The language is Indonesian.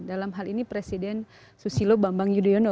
dalam hal ini presiden susilo bambang yudhoyono